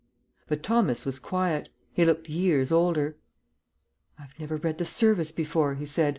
But Thomas was quiet. He looked years older. "I've never read the service before," he said.